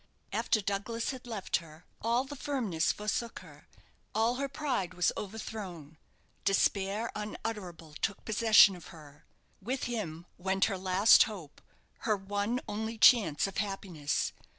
After Douglas had left her, all the firmness forsook her, all her pride was overthrown. Despair unutterable took possession of her. With him went her last hope her one only chance of happiness.